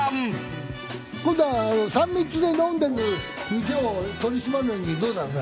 今度はあの３密で飲んでる店を取り締まるのにどうだろうな？